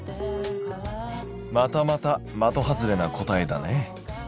またまた的外れな答えだね。